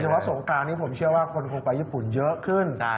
แต่ว่าสงการนี้ผมเชื่อว่าคนคงไปญี่ปุ่นเยอะขึ้น